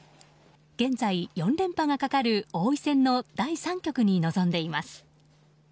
現在、４連覇がかかる王位戦の第３局に臨んでいます。